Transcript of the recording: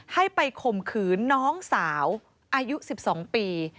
ให้ไปข่มขืนน้องสาวอายุ๑๒ปี